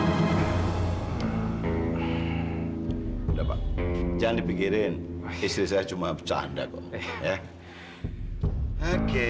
udah pak jangan dipikirin istri saya cuma bercanda kok